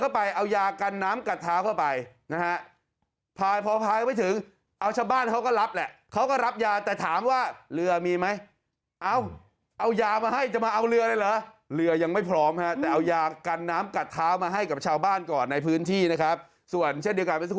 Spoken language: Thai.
ก็เอายาเข้าไปครับเอายาจำเป็นต้องใช้ยาอะไรกันน้ำกัดเท้า